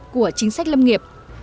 của chính sách lâm nghiệp